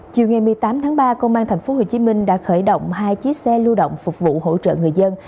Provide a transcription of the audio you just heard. chiều ngày một mươi tám tháng ba công an tp hcm đã khởi động hai chiếc xe lưu động phục vụ hỗ trợ người dân